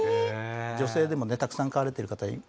女性でもねたくさん飼われている方いますもんね。